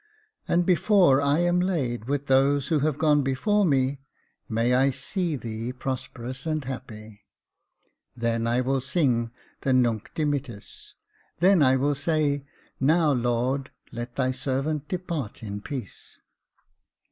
and before I am laid with those who have gone before me, may I see thee prosperous and happy ! Then I will sing the Nunc dimittis ; then will I say, ' Now, Lord, let thy servant depart in peace.'